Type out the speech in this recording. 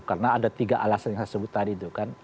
karena ada tiga alasan yang saya sebutkan tadi